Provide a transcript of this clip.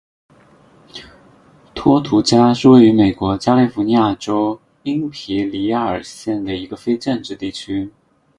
托图加是位于美国加利福尼亚州因皮里尔县的一个非建制地区。